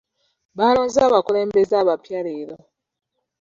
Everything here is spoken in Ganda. Balonze abakulembeze abapya leero.